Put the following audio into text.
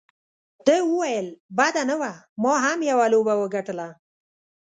ده وویل: بده نه وه، ما هم یوه لوبه وګټله.